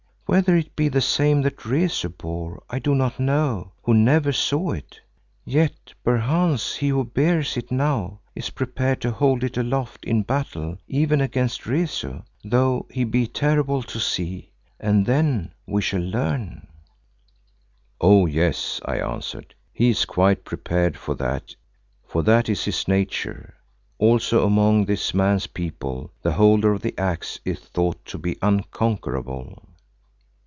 Whether it be the same that Rezu bore I do not know who never saw it, yet perchance he who bears it now is prepared to hold it aloft in battle even against Rezu, though he be terrible to see, and then we shall learn." "Oh! yes," I answered, "he is quite prepared, for that is his nature. Also among this man's people, the holder of the Axe is thought to be unconquerable."